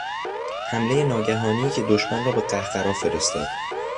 حملهی ناگهانی که دشمن را به قهقرا فرستاد